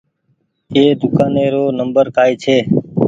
ايِ دوڪآني رو نمبر ڪآئي ڇي۔